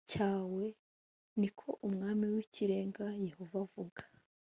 cyawe ni ko umwami w ikirenga yehova avuga